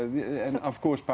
dan tentu saja